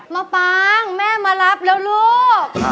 มาปางแม่มารับแล้วลูก